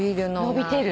伸びてる。